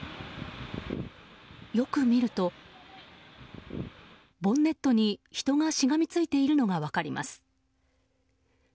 よく見ると、ボンネットに人がしがみついているのが分かります。